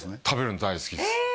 食べるの大好きです